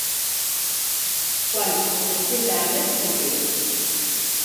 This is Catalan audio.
Quant al castell d'Agres, també.